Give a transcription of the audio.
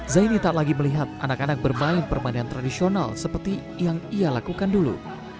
zaini tak lagi melihat anak anak bermain permainan tradisional seperti yang ia lakukan dulu